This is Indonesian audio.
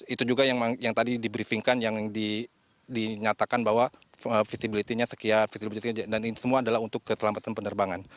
itu juga yang tadi di briefing kan yang dinyatakan bahwa visibility nya sekian dan ini semua adalah untuk keselamatan penerbangan